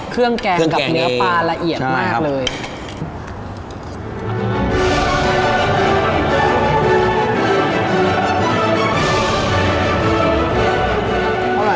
เครื่องแกงกับเนื้อปลาระเอียดมากเลย